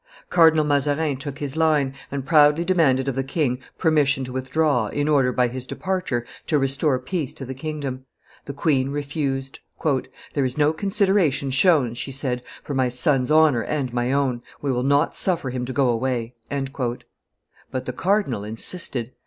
Cardinal Mazarin took his line, and loudly demanded of the king permission to withdraw, in order, by his departure, to restore peace to the kingdom. The queen refused. "There is no consideration shown," she said, "for my son's honor and my own; we will not suffer him to go away." But the cardinal insisted.